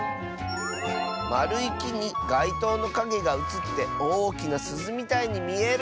「まるいきにがいとうのかげがうつっておおきなすずみたいにみえる！」。